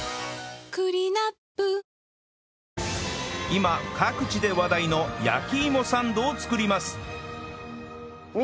今各地で話題の焼き芋サンドを作ります出た。